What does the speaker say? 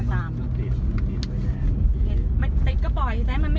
น่ากลิบ